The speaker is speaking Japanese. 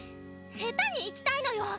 ヘタに生きたいのよ！